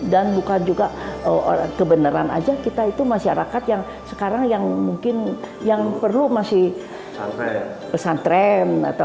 dan bukan juga kebenaran saja kita itu masyarakat yang sekarang yang perlu pesantren